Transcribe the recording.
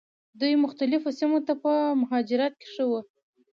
دوی مختلفو سیمو ته په مهاجرت کې ښه وو.